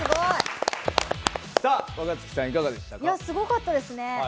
すごかったですね。